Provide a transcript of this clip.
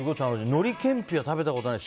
のりけんぴは食べたことない。